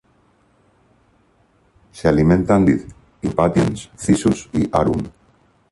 Se alimentan de hojas de vid, "Impatiens, Cissus" y "Arum".